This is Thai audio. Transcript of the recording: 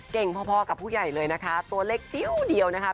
พอกับผู้ใหญ่เลยนะคะตัวเล็กจิ้วเดียวนะคะ